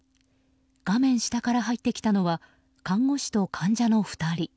画面下から入ってきたのは看護師と患者の２人。